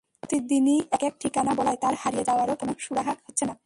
প্রতিদিনই একেক ঠিকানা বলায় তার হারিয়ে যাওয়ারও কোনো সুরাহা হচ্ছে না।